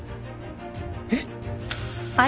えっ？